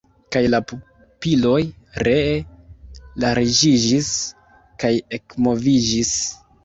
Kaj la pupiloj ree larĝiĝis kaj ekmoviĝis.